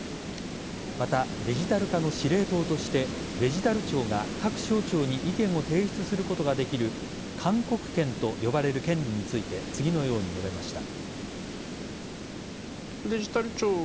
また、デジタル化の司令塔としてデジタル庁が各省庁に意見を提出することができる勧告権と呼ばれる権利について次のように述べました。